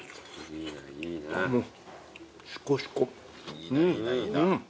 いいないいないいな。